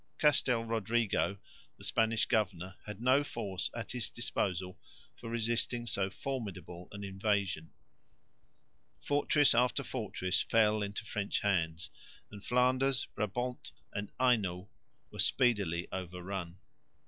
Castel Rodrigo, the Spanish governor, had no force at his disposal for resisting so formidable an invasion; fortress after fortress fell into French hands; and Flanders, Brabant and Hainault were speedily overrun.